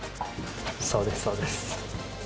そうです、そうです。